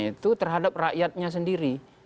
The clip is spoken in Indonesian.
itu terhadap rakyatnya sendiri